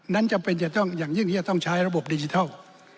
นั้นจำเป็นอย่างยื่นที่จะต้องใช้ระบบดิจิทัล